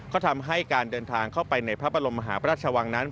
ก็ทำให้การเดินทางเข้าไปในพระบรมมหาพระราชวังนั้น